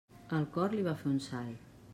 El cor li va fer un salt.